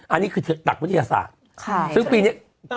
อันนี้คือหลักวิทยาศาสตร์ซึ่งปีนี้